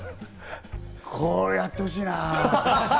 これ、やってほしいな。